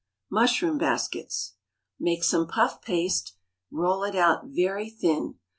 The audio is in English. Mushroom Baskets. Make some puff paste; roll it out very thin.